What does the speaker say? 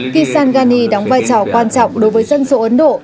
khi sangani đóng vai trò quan trọng đối với dân số ấn độ